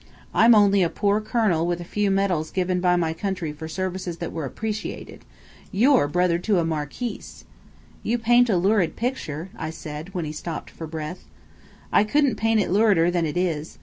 I'm only a poor colonel with a few medals given by my country for services that were appreciated. You're brother to a marquis." "You paint a lurid picture" I said, when he stopped for breath. "I couldn't paint it lurider than it is.